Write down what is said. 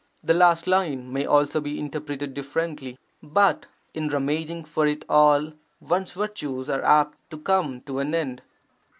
The last line may also be interpreted differently — 'But in rummaging for it all one's virtues are apt to come to an end.'